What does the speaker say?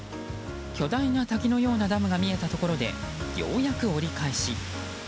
巨大な滝のようなダムが見えたところでようやく折り返し。